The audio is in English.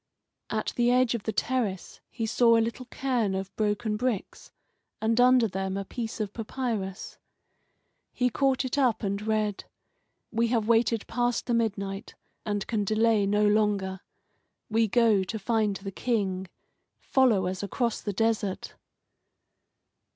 At the edge of the terrace he saw a little cairn of broken bricks, and under them a piece of papyrus. He caught it up and read: "We have waited past the midnight, and can delay no longer. We go to find the King. Follow us across the desert."